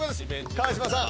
川島さん